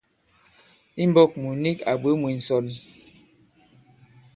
I mbɔ̄k mùt nik à bwě mwē ǹsɔn.